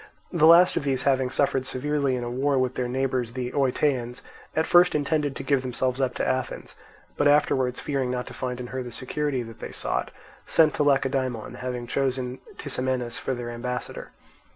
The last of these having suffered severely in a war with their neighbours the Oetaeans, at first intended to give themselves up to Athens; but afterwards fearing not to find in her the security that they sought, sent to Lacedaemon, having chosen Tisamenus for their ambassador.